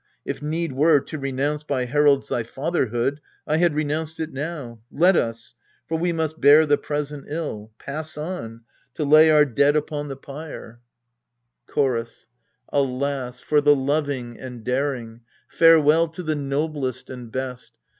If need were to renounce by heralds Thy fatherhood, I had renounced it now. Let us for we niiM beat" the present ill Pass on, to lay our dead upon the pyre. ALCESTIS 223 CHORUS Alas for the loving and daring ! Farewell to the noblest and best